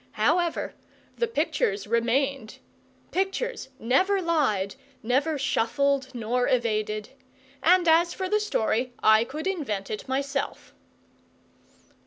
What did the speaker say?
However, the pictures remained; pictures never lied, never shuffled nor evaded; and as for the story, I could invent it myself.